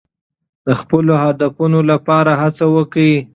د خپلو هدفونو لپاره هڅه وکړئ.